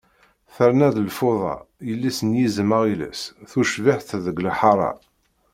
Terna-d lfuḍa, yelli-s n yizem aɣilas, tucbiḥt deg lḥara.